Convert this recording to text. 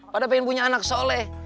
pada pengen punya anak soleh